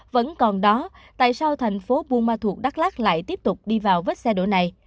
vẫn còn đó tại sao thành phố puma thuộc đắk lát lại tiếp tục đi vào vết xe đổ này